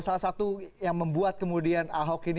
salah satu yang membuat kemudian ahok ini